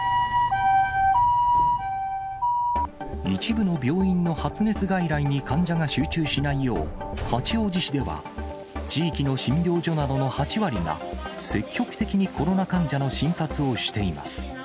一部の病院の発熱外来に患者が集中しないよう、八王子市では、地域の診療所などの８割が、積極的にコロナ患者の診察をしています。